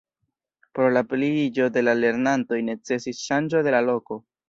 Pro la pliiĝo de la lernantoj necesis ŝanĝo de la loko.